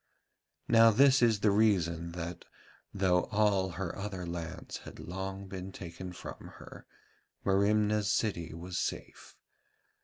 Now this is the reason that, though all her other lands had long been taken from her, Merimna's city was safe.